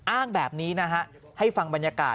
อ้างแบบนี้นะฮะให้ฟังบรรยากาศ